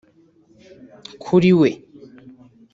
Kuri we